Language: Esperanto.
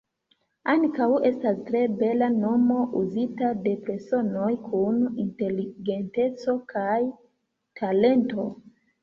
Ankaŭ estas tre bela nomo, uzita de personoj kun inteligenteco kaj talento.